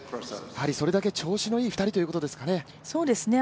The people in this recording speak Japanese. それだけ調子のいい２人ということですかね。